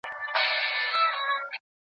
پلار کار ته ځي خو زړه يې نه وي هلته.